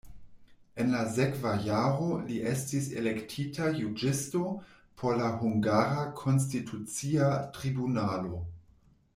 En la sekva jaro li estis elektita juĝisto por la hungara konstitucia tribunalo.